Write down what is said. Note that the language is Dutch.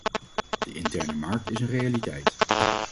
De interne markt is een realiteit.